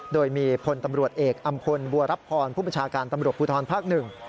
โดยมีพลตำรวจเอกอำพลบัวรับพรผู้บัญชาการตำรวจภูทรภาคหนึ่ง